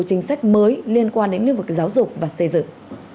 chính sách mới liên quan đến lĩnh vực giáo dục và xây dựng